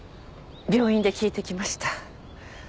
病院で聞いてきました。